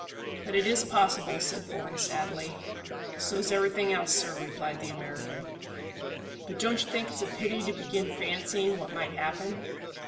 "But it is possible," said Bourne sadly. "So's everything else, sir," replied the American. "But don't you think it's a pity to begin fancying what might happen?"